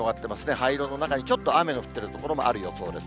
灰色の中にちょっと雨の降っている所もある予想です。